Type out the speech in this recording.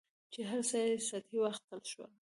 چې هر څه یې سطحي واخیستل شول.